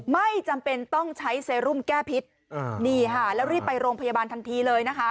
ไม่จำเป็นต้องใช้เซรุมแก้พิษนี่ค่ะแล้วรีบไปโรงพยาบาลทันทีเลยนะคะ